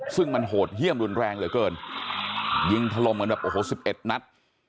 ซึ่งมันโหดเยี่ยมรุนแรงเหลือเกินยิงถล่มเหมือนแบบโอ้โห๑๑นัด